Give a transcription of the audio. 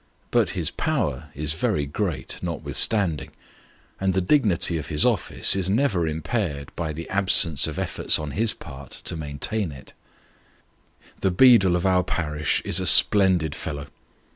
But his power is very great, notwithstanding ; and the dignity of his office is never impaired by the absence of efforts on his part to main r n B 2 Sketches by Boz. taiu it. Tlio beadle of our parish is a splendid fellow.